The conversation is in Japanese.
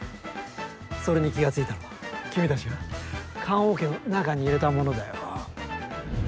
それに気がついたのは君たちが棺桶の中に入れたものだよ。